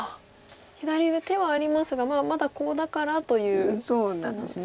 左上手はありますがまだコウだからということなんですね。